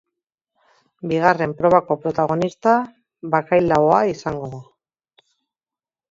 Bigarren probako protagonista bakailaoa izango da.